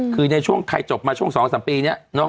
คือในช่วงไทยจบมาช่วง๒๓ปีนี้